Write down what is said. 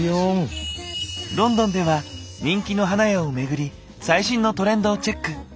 ロンドンでは人気の花屋をめぐり最新のトレンドをチェック。